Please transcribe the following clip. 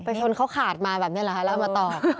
ไปชนเขาขาดมาแบบนี้หรือคะแล้วมาจอด